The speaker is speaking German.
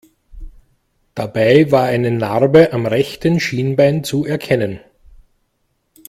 Dabei war eine Narbe am rechten Schienbein zu erkennen.